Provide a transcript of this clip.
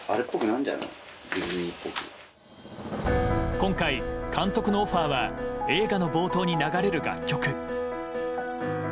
今回、監督のオファーは映画の冒頭に流れる楽曲。